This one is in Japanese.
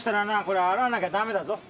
これは洗わなきゃダメだぞ。